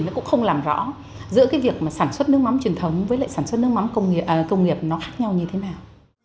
nó cũng không làm rõ giữa cái việc sản xuất nước mắm truyền thống với sản xuất nước mắm công nghiệp nó khác nhau như thế nào